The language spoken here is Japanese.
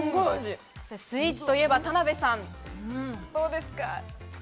スイーツといえば田辺さん、どうですか？